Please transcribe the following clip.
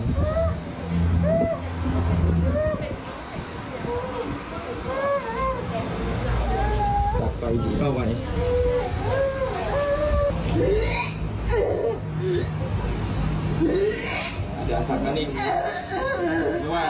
ไม่ว่าเกิดพิธีขีดยังศักดิ์อยู่